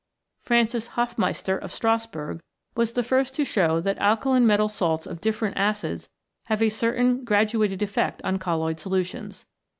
Francis Hofmeister, of Strassburg, was the first to show that alkaline metal salts of different acids have a certain graduated effect on colloid solutions.